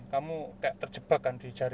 kamu kayak terjebak kan di jari